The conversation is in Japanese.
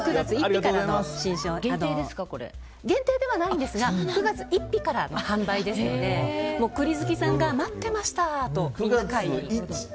限定ではないですが９月１日から販売ですので栗好きさんが待ってましたと。